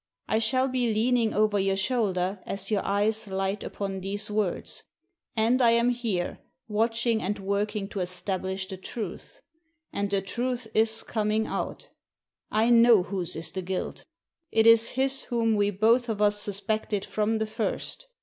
I shall be leaning over your shoulder as your eyes light upon these words — ^and I am here, watching and working to establish the truth. And the truth is coming out I know whose is the guilt. It is his whom we both of us suspected from the first.